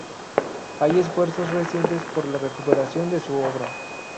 Hay esfuerzos recientes por la recuperación de su obra.